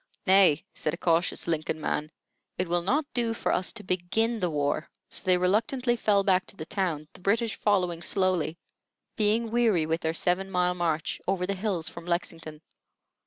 "Nay," said a cautious Lincoln man, "it will not do for us to begin the war." So they reluctantly fell back to the town, the British following slowly, being weary with their seven mile march over the hills from Lexington.